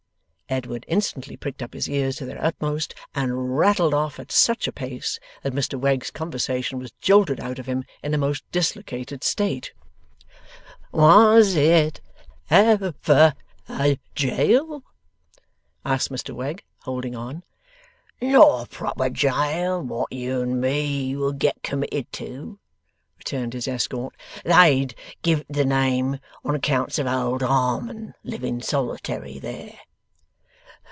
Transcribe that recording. Edward instantly pricked up his ears to their utmost, and rattled off at such a pace that Mr Wegg's conversation was jolted out of him in a most dislocated state. 'Was it Ev verajail?' asked Mr Wegg, holding on. 'Not a proper jail, wot you and me would get committed to,' returned his escort; 'they giv' it the name, on accounts of Old Harmon living solitary there.